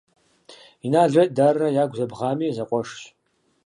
Иналрэ Идаррэ ягу зэбгъами, зэкъуэшщ.